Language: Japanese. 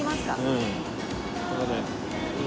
うん。